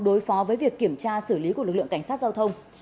đối phó với việc kiểm tra xử lý của lực lượng cảnh sát giao thông